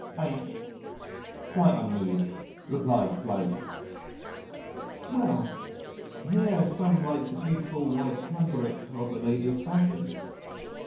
H , quite unmoved, replied slowly, "Well, here are some like the beautiful white cambric of a lady of fashion.